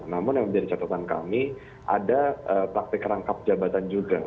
namun yang menjadi catatan kami ada praktik rangkap jabatan juga